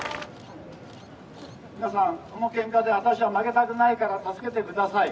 皆さんこの喧嘩で私は負けたくないから助けてください。